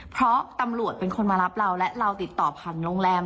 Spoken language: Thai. เพราะตำรวจเป็นคนมารับเราและเราติดต่อผ่านโรงแรม